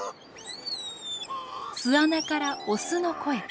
巣穴から雄の声。